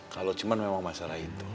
kalau cuma memang masalah itu